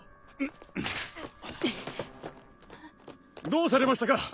どうされましたか？